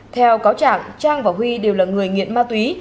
theo cáo trạng trang và huy đều là người nghiện ma túy